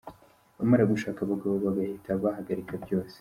Bamara gushaka abagabo bagahita bahagarika byose.